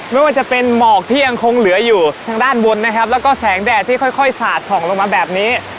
ไม่ว่าจะเป็นหมอกที่ยังคงเหลืออยู่ทางด้านบนนะครับแล้วก็แสงแดดที่ค่อยสาดส่องลงมาแบบนี้